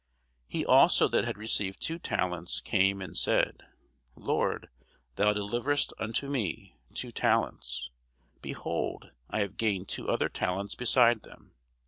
He also that had received two talents came and said, Lord, thou deliveredst unto me two talents: behold, I have gained two other talents beside them.